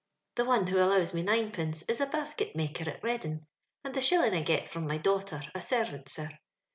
The one who allows me ninepence is a ba. ^ket maker at Treading ; and the shillin' I get from my daughter, a servant, sir.